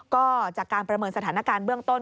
ก็จากการประเมินสถานการณ์เบื้องต้น